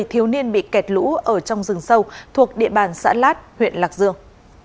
một mươi thiếu niên bị kẹt lũ ở trong rừng sâu thuộc địa bàn xã lát huyện lạc dương